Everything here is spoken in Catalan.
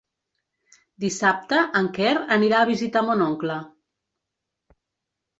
Dissabte en Quer anirà a visitar mon oncle.